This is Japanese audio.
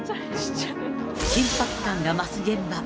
緊迫感が増す現場。